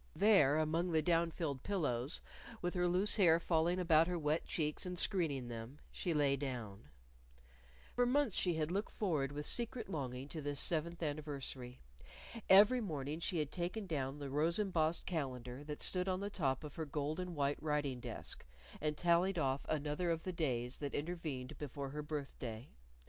There, among the down filled pillows, with her loose hair falling about her wet cheeks and screening them, she lay down. For months she had looked forward with secret longing to this seventh anniversary. Every morning she had taken down the rose embossed calendar that stood on the top of her gold and white writing desk and tallied off another of the days that intervened before her birthday.